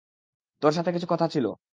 তোর সাথে কিছু কথা ছিলো।